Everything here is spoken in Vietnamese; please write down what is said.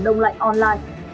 đông lạnh online